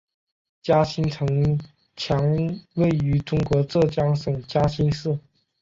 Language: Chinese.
嘉兴城墙位于中国浙江省嘉兴市。